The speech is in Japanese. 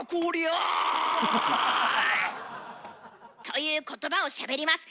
という言葉をしゃべります。